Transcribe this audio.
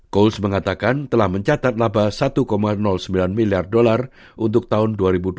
goals mengatakan telah mencatat laba satu sembilan miliar dolar untuk tahun dua ribu dua puluh